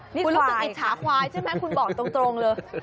คุณรู้สึกอิจฉาควายใช่ไหมคุณบอกตรงเลย